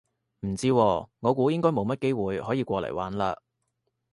唔知喎，我估應該冇乜機會可以過嚟玩嘞